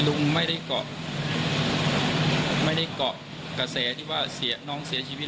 ลุงไม่ได้เกาะกระแสที่ว่าน้องเสียชีวิต